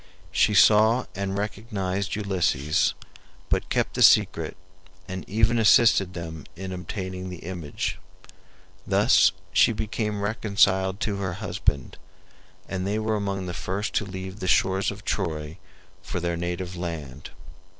She saw and recognized Ulysses, but kept the secret and even assisted them in obtaining the image. Thus she became reconciled to her husband, and they were among the first to leave the shores of Troy for their native land.